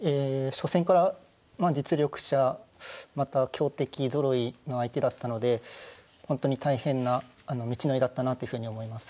初戦から実力者また強敵ぞろいの相手だったので本当に大変な道のりだったなというふうに思います。